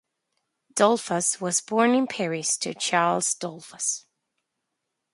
Dollfus was born in Paris to Charles Dollfus.